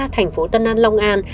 thành phố tân an long an